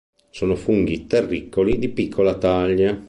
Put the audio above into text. Sono funghi terricoli, di piccola taglia.